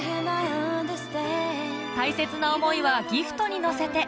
大切な思いはギフトに乗せて